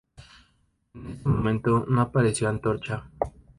En este no apareció Antorcha.